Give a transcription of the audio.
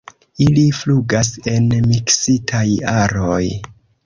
Ili flugas en miksitaj aroj.